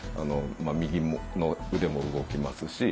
右の腕も動きますし。